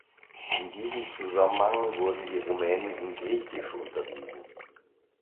In diesem Zusammenhang wurden die Rumänen in Griechisch unterwiesen.